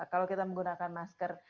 kalau kita menggunakan masker